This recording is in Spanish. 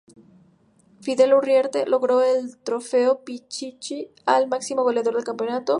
Fidel Uriarte logró el Trofeo Pichichi al máximo goleador del campeonato.